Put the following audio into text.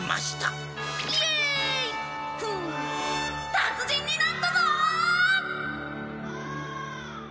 達人になったぞーっ！